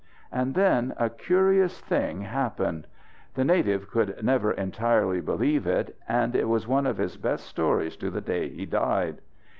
And then a curious thing happened. The native could never entirely believe it, and it was one of his best stories to the day he died.